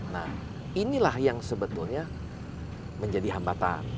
nah inilah yang sebetulnya menjadi hambatan